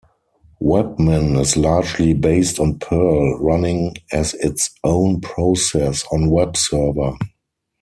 Webmin is largely based on Perl, running as its own process and web server.